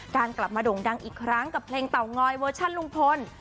การกลับมาโด่งดังอีกครั้งกับเพลงเต่างอยเวอร์ชันลุงพล